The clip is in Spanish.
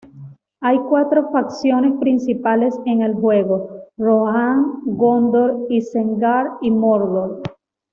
Hay cuatro facciones principales en el juego: Rohan, Gondor, Isengard y Mordor.